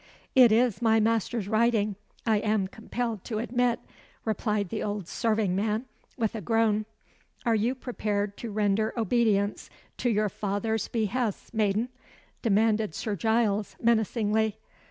"It is my master's writing, I am compelled to admit," replied the old serving man, with a groan. "Are you prepared to render obedience to your father's behests, maiden?" demanded Sir Giles, menacingly.